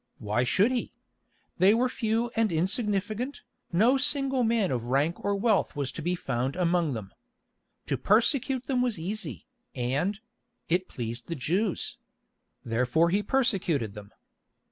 Why should he? They were few and insignificant, no single man of rank or wealth was to be found among them. To persecute them was easy, and—it pleased the Jews. Therefore he persecuted them.